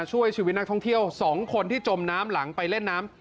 ช่วยชีวิตนักท่องเที่ยว๒คนที่จมน้ำหลังไปเล่นน้ำ